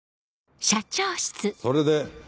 それで？